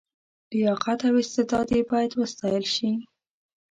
لیاقت او استعداد یې باید وستایل شي.